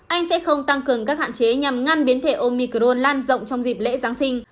anh sẽ không tăng cường các hạn chế nhằm ngăn biến thể omicron lan rộng trong dịp lễ giáng sinh